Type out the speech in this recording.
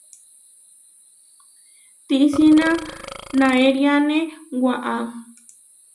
Tisína naériane waʼá.